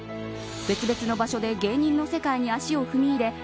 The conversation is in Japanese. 別々の場所で芸人の世界に足を踏み入れ